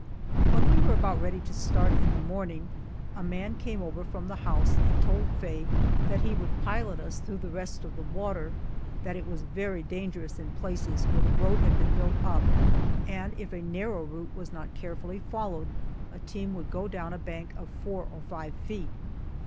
When we were about ready to start in the morning, a man came over from the house and told Faye that he would pilot us through the rest of the water, that it was very dangerous in places, where the road had been built up, and if a narrow route was not carefully followed, a team would go down a bank of four or five feet.